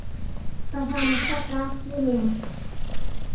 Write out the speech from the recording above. Пашам ышта кас лиймеш